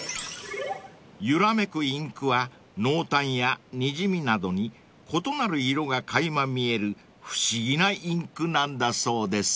［ゆらめくインクは濃淡やにじみなどに異なる色が垣間見える不思議なインクなんだそうです］